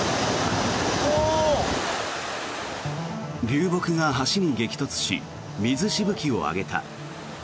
流木が橋に激突し水しぶきを上げた。